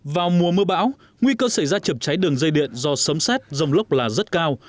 vào mùa mưa bão nguy cơ xảy ra chập cháy đường dây điện do sấm xét dòng lốc là rất cao